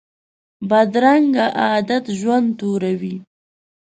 بدرنګه عادت ژوند توروي